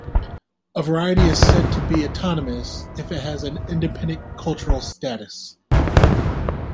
A variety is said to be autonomous if it has an independent cultural status.